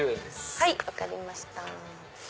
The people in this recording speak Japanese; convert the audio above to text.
はい分かりました。